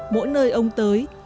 mỗi nơi ông tới